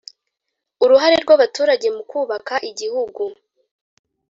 uruhare rw’abaturage mu kubaka igihugu